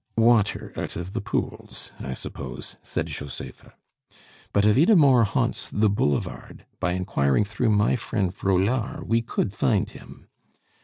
"Water out of the pools, I suppose?" said Josepha. "But if Idamore haunts the Boulevard, by inquiring through my friend Vraulard, we could find him."